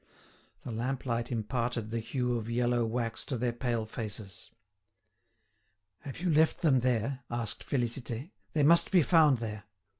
The lamplight imparted the hue of yellow wax to their pale faces. "Have you left them there?" asked Félicité; "they must be found there."